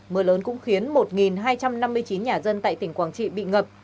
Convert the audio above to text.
mưa lớn cũng khiến một hai trăm năm mươi chín nhà dân tại tỉnh quảng trị bị ngập